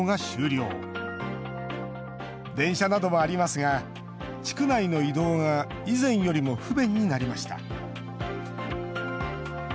電車などもありますが地区内の移動が以前よりも不便になりました。